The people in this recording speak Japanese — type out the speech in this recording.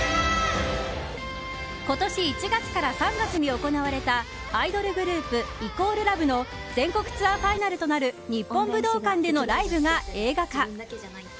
今年１月から３月に行われたアイドルグループ＝ＬＯＶＥの全国ツアーファイナルとなる日本武道館でのライブが映画化。